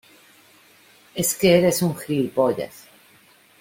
es que eres un gilipollas.